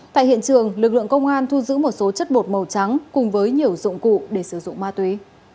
tại hiện trường lực lượng công an thu giữ một số chất bột màu trắng cùng với nhiều dụng cụ để sử dụng ma túy